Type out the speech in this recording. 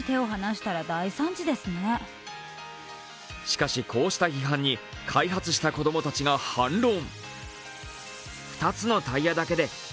しかし、こうした批判に開発した子供たちが反論。